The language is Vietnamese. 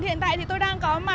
hiện tại tôi đang có mặt